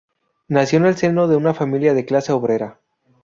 Nació en el seno de una familia de clase obrera.